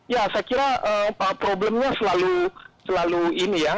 ya saya kira problemnya selalu ini ya